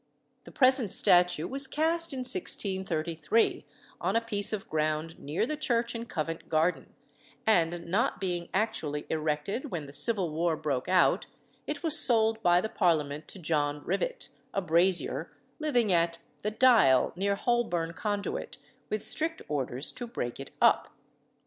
The present statue was cast in 1633, on a piece of ground near the church in Covent Garden, and not being actually erected when the Civil War broke out, it was sold by the Parliament to John Rivet, a brazier, living at "the Dial, near Holburn Conduit," with strict orders to break it up.